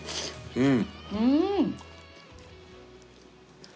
うん！